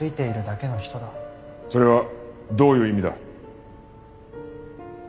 それはどういう意味だ？